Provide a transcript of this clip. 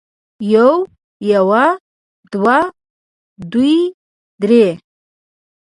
يو يوه دوه دوې درې